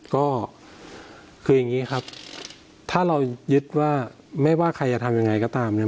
ก็คืออย่างนี้ครับถ้าเรายึดว่าไม่ว่าใครจะทำยังไงก็ตามเนี่ย